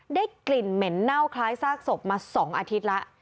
ได้กลิ่นเหม็นเน่าคล้ายซากศพมา๒อาทิตย์แล้ว